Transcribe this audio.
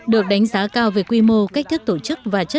được đánh giá cao về quy mô cách thức tổ chức và truyền thông